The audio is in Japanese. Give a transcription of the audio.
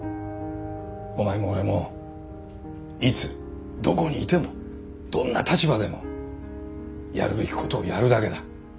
お前も俺もいつどこにいてもどんな立場でもやるべきことをやるだけだ。